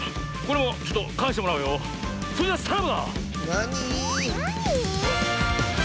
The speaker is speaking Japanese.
なに？